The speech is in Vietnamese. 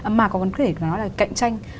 mà còn có thể nói là cạnh tranh